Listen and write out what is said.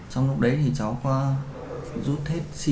trong lúc đấy thì cháu có rút hết sim